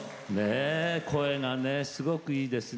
声がすごくいいですね。